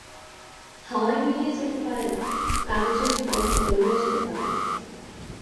হাওয়ায় মিলিয়ে যেতে পারে না, কাগজের বন্ড গলেও যেতে পারে না।